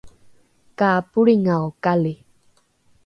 ka polringaokali